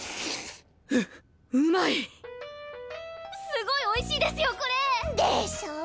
すごいおいしいですよこれ！でしょ。